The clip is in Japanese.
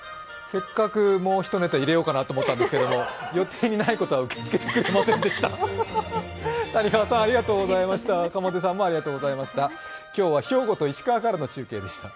せっかくもう一ネタ入れようと思ったんですけど予定にないことは受け付けしてくれませんでした。